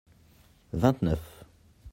vingt neuf.